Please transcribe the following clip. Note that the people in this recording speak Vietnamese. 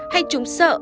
hay chúng sợ